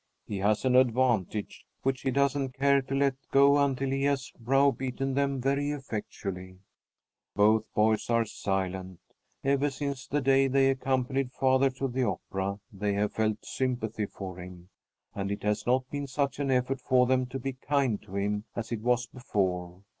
He has an advantage, which he doesn't care to let go until he has browbeaten them very effectually. Both boys are silent. Ever since the day they accompanied father to the Opera, they have felt sympathy for him, and it has not been such an effort for them to be kind to him as it was before.